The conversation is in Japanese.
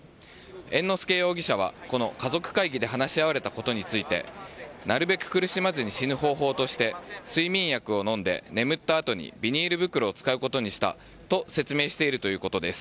猿之助容疑者はこの家族会議で話し合われたことについてなるべく苦しまずに死ぬ方法として睡眠薬を飲んで眠ったあとにビニール袋を使うことにしたと説明しているということです。